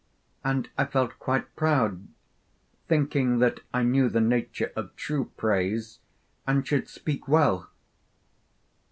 And I felt quite proud, thinking that I knew the nature of true praise, and should speak well.